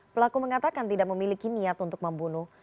pelaku mengatakan tidak memiliki niat untuk membunuh